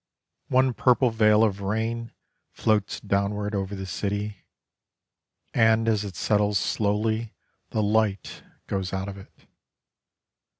One purple veil of rain Floats downward over the city; And as it settles slowly The light goes out of it.